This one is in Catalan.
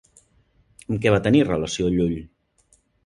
Amb què va tenir relació Llull?